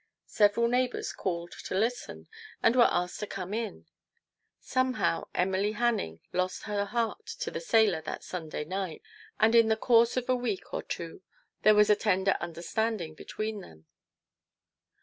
Several neighbours called to listen, and were asked to come in. Somehow Emily Hanning lost her heart to the sailor that Sunday night, io6 TO PLEASE HIS WIFE. and in the course of a week or two there was a tender understanding between them.